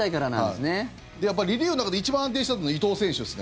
で、リリーフの中で一番安定してたの伊藤選手です。